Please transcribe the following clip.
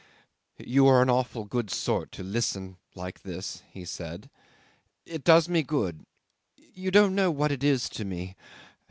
"You are an awful good sort to listen like this," he said. "It does me good. You don't know what it is to me.